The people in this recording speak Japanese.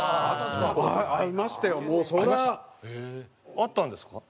会ったんですか？